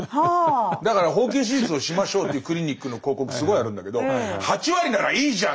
だから包茎手術をしましょうというクリニックの広告すごいあるんだけど８割ならいいじゃん！